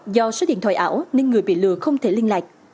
do số điện thoại ảo nên người bị lừa không thể liên lạc